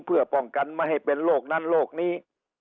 เพื่อป้องกันไม่ให้เป็นโรคนั้นโรคนี้